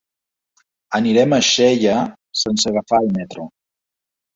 Anirem a Xella sense agafar el metro.